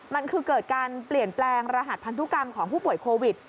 มันคือเกิดการเปลี่ยนแปลงรหัสพันธุกรรมของผู้ป่วยโควิด